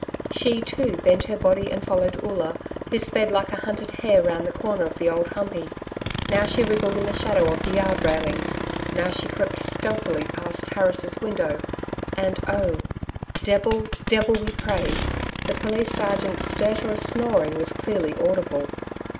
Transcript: She, too, bent her body and followed Oola, who sped like a hunted hare round the comer of the Old Humpey. Now she wriggled in the shadow of the yard railings. Now she crept stealthily past Harris' window and oh! DEBIL DEBIL be praised! the Police sergeant's stertorous snoring was clearly audible.